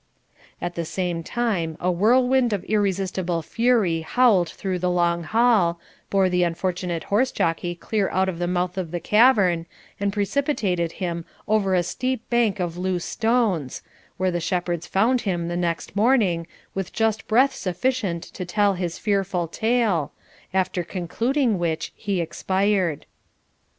At the same time a whirlwind of irresistible fury howled through the long hall, bore the unfortunate horse jockey clear out of the mouth of the cavern, and precipitated him over a steep bank of loose stones, where the shepherds found him the next morning, with just breath sufficient to tell his fearful tale, after concluding which he expired.